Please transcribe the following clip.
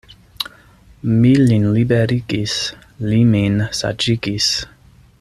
Mi lin liberigis, li min saĝigis.